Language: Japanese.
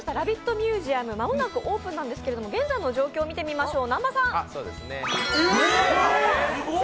ミュージアム間もなくオープンですが現在の状況を見てみましょう。